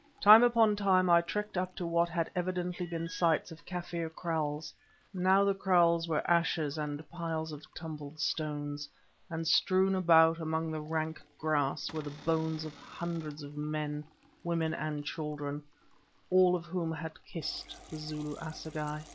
Time upon time I trekked up to what had evidently been the sites of Kaffir kraals. Now the kraals were ashes and piles of tumbled stones, and strewn about among the rank grass were the bones of hundreds of men, women, and children, all of whom had kissed the Zulu assegai.